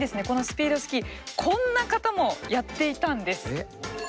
このスピードスキーこんな方もやっていたんです。